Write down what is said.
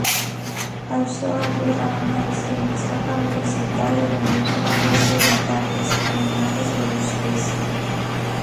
Això ajuda a maximitzar la velocitat, reduir el pes i evitar les frenades brusques.